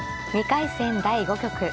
２回戦第５局。